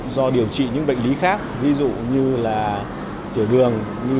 do điều trị những bệnh lý khác ví dụ như là tiểu đường